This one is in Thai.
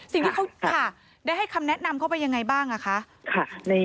สิ่งที่เขาค่ะได้ให้คำแนะนำเข้าไปยังไงบ้างคะ